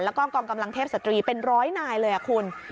แล้วก็กองกำลังเทพสตรีเป็นร้อยนายเลยคุณ